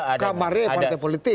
kamarnya partai politik